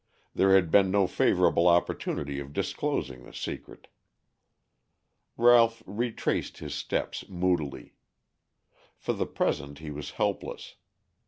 There had been no favorable opportunity of disclosing the secret. Ralph retraced his steps moodily. For the present he was helpless.